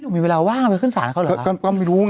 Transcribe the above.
มีเวลาว่างขึ้นสารเขาเหรอ